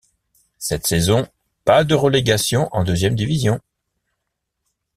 Cette saison pas de relégation en deuxième division.